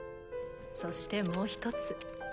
そしてもう一つ。